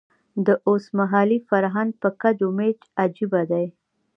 د اوسمهالي فرهنګ په کچ و میچ عجیبه دی.